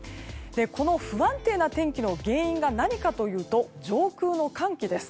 不安定な天気の原因が何かというと上空の寒気です。